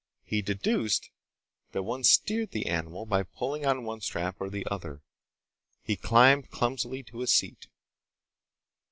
He deduced that one steered the animal by pulling on one strap or the other. He climbed clumsily to a seat.